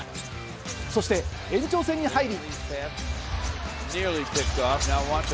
そして延長戦に入り。